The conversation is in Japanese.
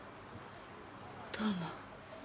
どうも。